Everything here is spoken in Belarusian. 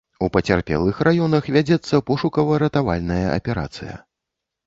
У пацярпелых раёнах вядзецца пошукава-ратавальная аперацыя.